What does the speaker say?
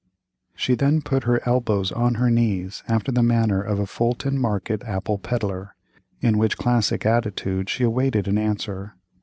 She then put her elbows on her knees after the manner of a Fulton Market apple pedler, in which classic attitude she awaited an answer.